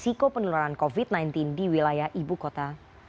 risiko penularan covid sembilan belas di wilayah ibu kota